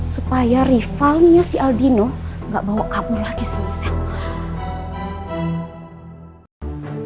supaya rivalnya si aldino gak bawa kabur lagi sama saya